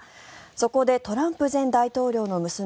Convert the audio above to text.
そこでトランプ前大統領の娘